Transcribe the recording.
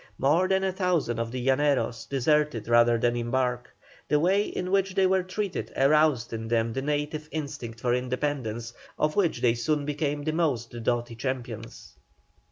More than a thousand of the Llaneros deserted rather than embark. The way in which they were treated aroused in them the native instinct for independence, of which they soon became the most doughty champions.